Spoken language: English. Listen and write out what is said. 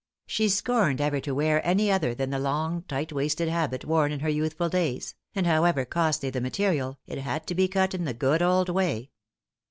She scorned ever to wear any other than the long tight waisted habit worn in her youthful days; and however costly the material, it had to be cut in the good old way.